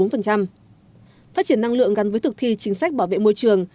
phát triển năng lượng gắn với thực thi chính sách bảo vệ môi trường